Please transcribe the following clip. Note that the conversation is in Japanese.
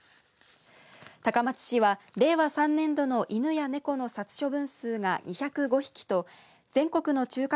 高松市は令和３年度の犬や猫の殺処分数が２０５匹と全国の中核